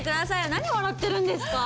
何笑ってるんですか？